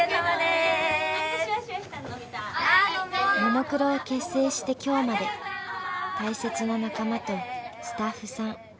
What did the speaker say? ［ももクロを結成して今日まで大切な仲間とスタッフさん］